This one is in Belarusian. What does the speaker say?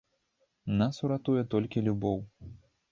Нас уратуе толькі любоў.